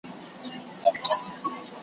ملا غاړي كړې تازه يو څه حيران سو .